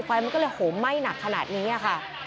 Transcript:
ไฟมันก็เลยโหมไหม้หนักขนาดนี้ค่ะ